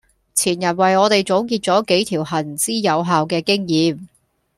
前人為我哋總結咗幾條行之有效嘅經驗